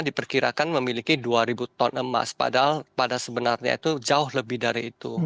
diperkirakan memiliki dua ribu ton emas padahal pada sebenarnya itu jauh lebih dari itu